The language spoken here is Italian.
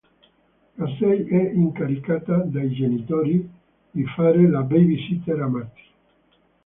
Casey è incaricata dai genitori di fare la baby-sitter a Marti.